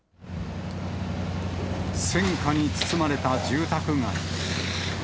戦火に包まれた住宅街。